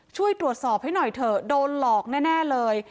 ช่วยตรวจสอบให้หน่อยเถอะโดนหลอกแน่เลย